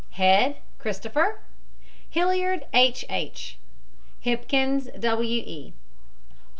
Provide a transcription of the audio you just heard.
HEAD, CHRISTOPHER. HILLIARD, H. H. HIPKINS, W. E.